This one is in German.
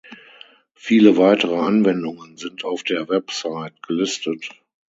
Viele weitere Anwendungen sind auf der Website gelistet.